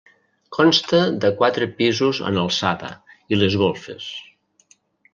Consta de quatre pisos en alçada i les golfes.